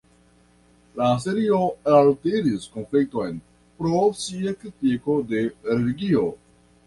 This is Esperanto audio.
La serio altiris konflikton pro sia kritiko de religio.